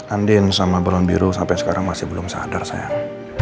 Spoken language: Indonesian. andin sama burung biru sampai sekarang masih belum sadar saya